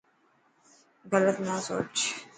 گلت نا سوچ.